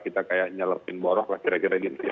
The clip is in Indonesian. kita kayak nyelepin borok lah kira kira gitu ya